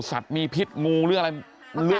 สัตว์มีพิษงูหรืออะไร